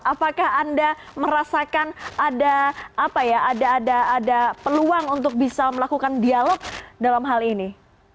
apakah anda merasakan ada peluang untuk bisa melakukan dialog dalam hal ini